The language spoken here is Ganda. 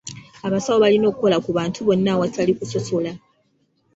Abasawo balina okukola ku bantu bonna awatali kusosola.